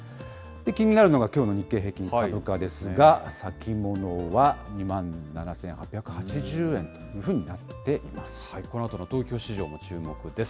気になるのがきょうの日経平均株価ですが、先物は２万７８８０円というふうになっています。